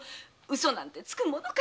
ウソなんてつくものかね。